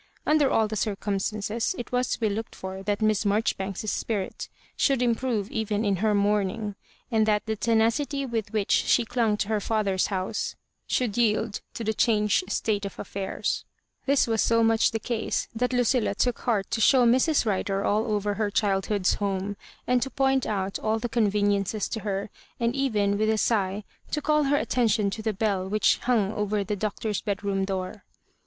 Under all the circumstances, it was to be looked for that Miss Marjoribanks's spirits should improve even in her mourning, and that the tenacity with which she dung to her Other's house should yield to the changed state of affair^ This was so much the case, that Lucilla took heart to show Mrs. Rider all over her childhood^s home, and to point out all the conveniences to her, and even, with a sigh, to call her attention to the bell which hung over the Doctor's bedroom door.